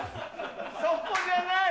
そこじゃない！